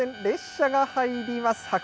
列車が入ります。